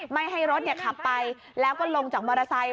ไม่ให้รถขับไปแล้วก็ลงจากมอเตอร์ไซค์